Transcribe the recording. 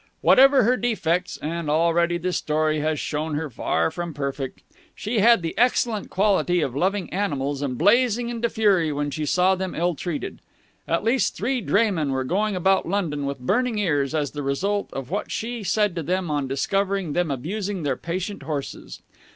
Whatever her defects and already this story has shown her far from perfect she had the excellent quality of loving animals and blazing into fury when she saw them ill treated. At least three draymen were going about London with burning ears as the result of what she had said to them on discovering them abusing their patient horses.